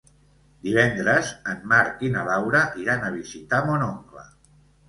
Divendres en Marc i na Laura iran a visitar mon oncle.